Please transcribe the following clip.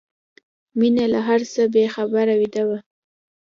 مينه له هر څه بې خبره ویده وه